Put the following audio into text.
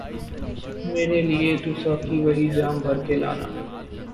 میرے لئے تو ساقی وہی جام بھر کے لانا